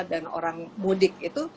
dan orang mudik itu